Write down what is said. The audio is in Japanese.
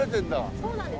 そうなんです。